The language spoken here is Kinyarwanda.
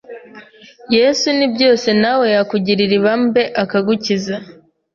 Yesu ni byose nawe yakugirira ibambe akagukiza